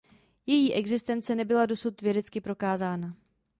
Její existence nebyla dosud vědecky prokázána.